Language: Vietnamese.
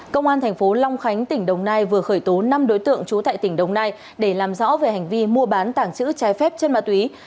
công an thành phố long khánh tỉnh đồng nai vừa khởi tố năm đối tượng trú tại tỉnh đồng nai để làm rõ về hành vi mua bán tảng chữ trái phép trên ma túy